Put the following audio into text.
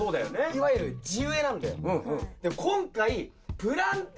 いわゆる地植えなんだよ。